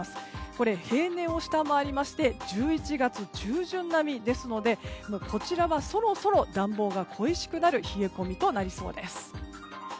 これ、平年を下回りまして１１月中旬並みですのでこちらはそろそろ暖房が恋しくなる冷え込みとなりそうです。